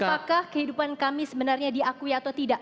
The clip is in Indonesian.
apakah kehidupan kami sebenarnya diakui atau tidak